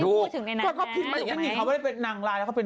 พูดถึงในนั้นนะก็เขาพิมพ์มาอย่างงี้นิ่งเขาไม่ได้เป็นนางร้ายแล้วเขาเป็น